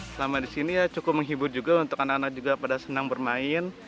selama disini cukup menghibur juga untuk anak anak juga pada senang bermain